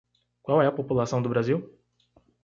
Qual é a população do Brasil?